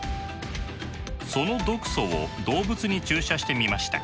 その毒素を動物に注射してみました。